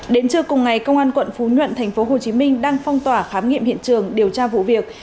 đến trưa cùng ngày công an quận phú nhuận tp hcm đang phong tỏa khám nghiệm hiện trường điều tra vụ việc